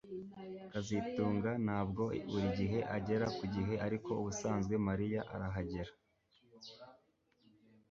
kazitunga ntabwo buri gihe agera ku gihe ariko ubusanzwe Mariya arahagera